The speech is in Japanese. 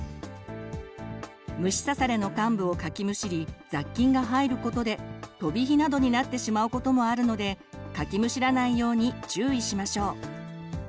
虫刺されの患部をかきむしり雑菌が入ることでとびひなどになってしまうこともあるのでかきむしらないように注意しましょう。